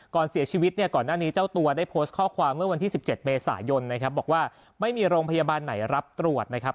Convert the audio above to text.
ก่อนเสียชีวิตเนี่ยก่อนหน้านี้เจ้าตัวได้โพสต์ข้อความเมื่อวันที่๑๗เมษายนนะครับบอกว่าไม่มีโรงพยาบาลไหนรับตรวจนะครับ